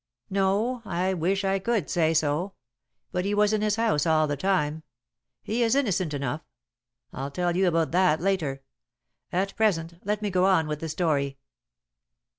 "No. I wish I could say so. But he was in his house all the time. He is innocent enough. I'll tell you about that later. At present let me go on with the story.